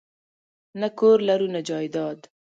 نه کور لرو نه جایداد